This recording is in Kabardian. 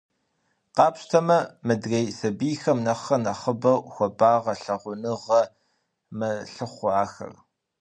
Къапщтэмэ, мыдрей сабийхэм нэхърэ нэхъыбэу хуабагъэрэ лъагъуныгъэрэ мэлъыхъуэ ахэр.